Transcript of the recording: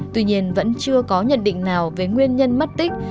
tuy nhiên vẫn chưa có nhận định nào về nguyên nhân mất tích